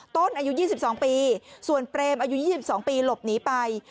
อายุ๒๒ปีส่วนเปรมอายุ๒๒ปีหลบหนีไป